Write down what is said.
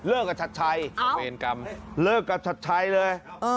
เลิกกับชัดชัยเอาเมนกรรมเลิกกับชัดชัยเลยเออ